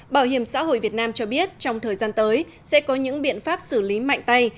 bảo hiểm xã hội việt nam cho biết trong thời gian tới sẽ có những biện pháp xử lý mạnh tay